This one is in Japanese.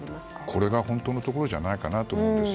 これが本当のところじゃないかなと思うんです。